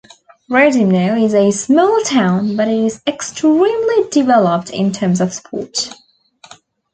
Radymno is a small town, but it is extremely developed in terms of sport.